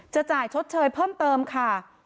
จ่ายชดเชยเพิ่มเติมค่ะ